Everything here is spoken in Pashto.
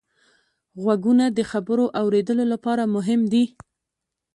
غوږونه د خبرو اورېدلو لپاره مهم دي